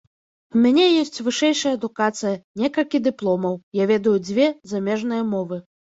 У мяне ёсць вышэйшая адукацыя, некалькі дыпломаў, я ведаю дзве замежныя мовы.